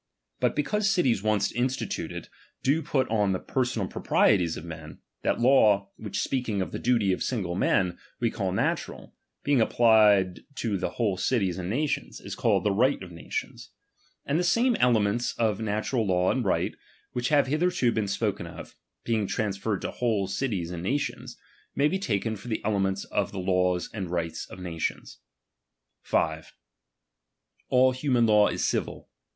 But because cities once instituted do put on the personal proprieties of men, that law, which speaking of the duty of single men we call na tural, being applied to whole cities and nations, is called t'he''rigkt of natioits. And the same elements of natural law and right, which have hitherto been spoken of, being transferred to whole cities and nations, may be taken for the elements of the laws and right of nations. 5. All human law is civil.